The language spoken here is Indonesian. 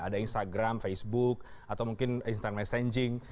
ada instagram facebook atau mungkin instant messaging